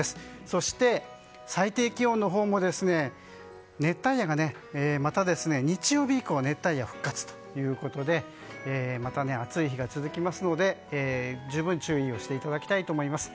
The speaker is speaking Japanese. そして、最低気温も熱帯夜がまた日曜日以降は復活ということでまた暑い日が続きますので十分注意していただきたいと思います。